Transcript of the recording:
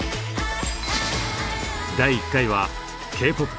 第１回はＫーＰＯＰ